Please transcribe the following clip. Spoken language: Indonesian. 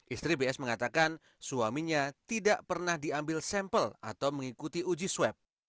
istri bs mengatakan suaminya tidak pernah diambil sampel atau mengikuti uji swab